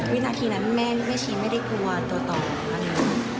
วินาทีนั้นแม่ไม่ใช่ไม่ได้กลัวตัวต่อหรือเปล่า